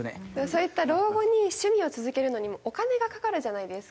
そういった老後に趣味を続けるのにもお金がかかるじゃないですか。